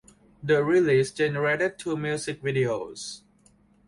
The release generated two music videos.